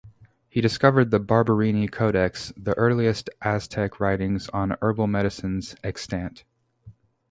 He discovered the Barberini Codex, the earliest Aztec writings on herbal medicines extant.